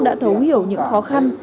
đã thấu hiểu những khó khăn